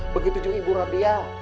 begitu juga ibu radya